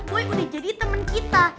gue udah jadi temen kita